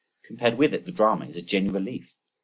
Compared with it the drama is a genuine relief.